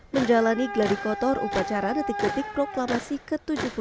menjalani gladi kotor upacara detik detik proklamasi ke tujuh puluh dua